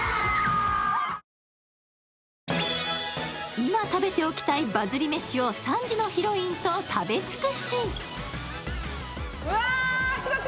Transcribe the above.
今、食べておきたいバズりめしを３時のヒロインと食べ尽くし。